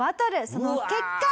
その結果。